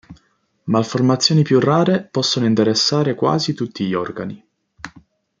Malformazioni più rare possono interessare quasi tutti gli organi.